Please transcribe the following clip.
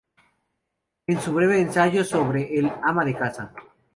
En su breve ensayo sobre “"El ama de casa.